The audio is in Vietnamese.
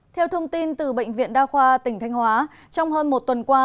theo thông tin từ bệnh viện đa khoa tỉnh thanh hóa trong hơn một tuần qua